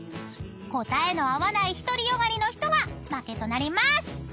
［答えの合わない独り善がりの人が負けとなります］